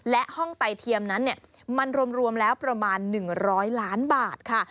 และห้องไตเทียมนั้นมันรวมแล้วประมาณ๑๐๐ล้านบาทค่ะ